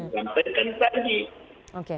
sudah dikantikan tadi